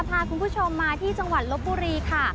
พาคุณผู้ชมมาที่จังหวัดลบบุรีค่ะ